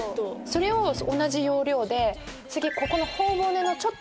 それを同じ要領で。